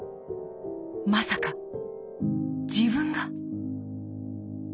まさか自分が？